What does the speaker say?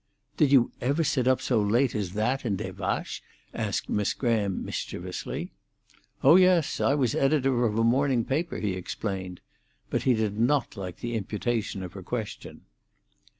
"Did you ever sit up so late as that in Des Vaches?" asked Miss Graham mischievously. "Oh yes; I was editor of a morning paper," he explained. But he did not like the imputation of her question.